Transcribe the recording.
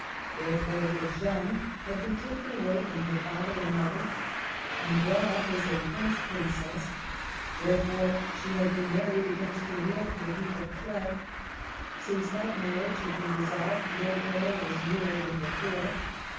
Therefore little Jeanne had been taken away from her father and mother and brought up as a French prin cess ; therefore she had been married, against her will, to the Duke of Cleves. Since that mar riage had been dissolved the old peril was nearer than before.